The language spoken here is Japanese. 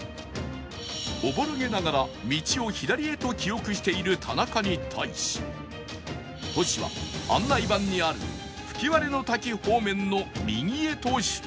おぼろげながら「道を左へ」と記憶している田中に対しトシは案内板にある「吹割の滝方面の右へ」と主張